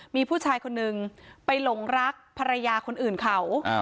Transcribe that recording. มีผู้ชายคนนึงไปหลงรักภรรยาคนอื่นเขา